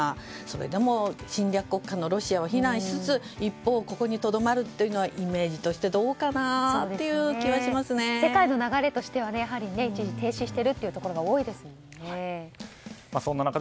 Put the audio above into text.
それでも侵略国家のロシアを非難しつつ一方、ここにとどまるというのはイメージとしてどうかな？という世界の流れとしては一時停止しているというところが多いですもんね。